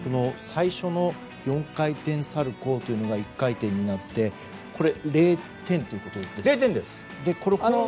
最初の４回転サルコウというのが１回転になって０点ということですか？